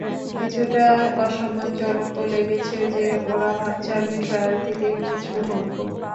কিছুটা অসম্মানজনকও লেগেছে যে, ওরা ভাবছে আমি ট্রায়াল থেকে পিছু হটব।